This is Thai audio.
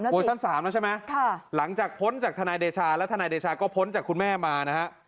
เวอร์ชันสามเนอะใช่ไหมค่ะหลังจากพ้นจากทนายเดชาแล้วทนายเดชาก็พ้นจากคุณแม่มานะฮะ